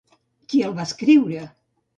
Qui el va escriure?